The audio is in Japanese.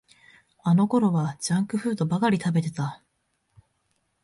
あのころはジャンクフードばかり食べてた